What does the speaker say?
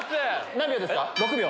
何秒ですか？